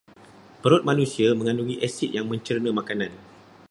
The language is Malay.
Perut manusia megandungi asid yang mencerna makanan.